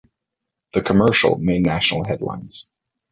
The commercial made national headlines.